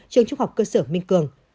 trường trung học cơ sở minh cường